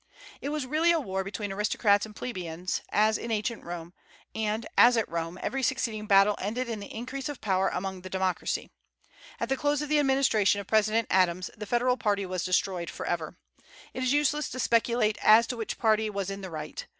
It was really a war between aristocrats and plebeians, as in ancient Rome; and, as at Rome, every succeeding battle ended in the increase of power among the democracy. At the close of the administration of President Adams the Federal party was destroyed forever. It is useless to speculate as to which party was in the right.